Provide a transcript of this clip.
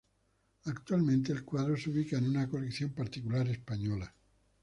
Actualmente el cuadro se ubica en una colección particular española.